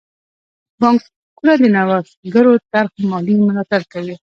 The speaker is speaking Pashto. بانکونه د نوښتګرو طرحو مالي ملاتړ کوي.